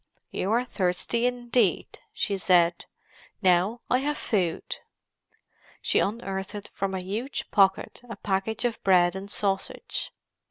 You are thirsty, indeed," she said. "Now I have food." She unearthed from a huge pocket a package of bread and sausage.